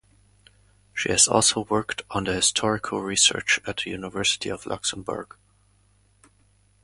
She has also worked on historical research at the University of Luxembourg.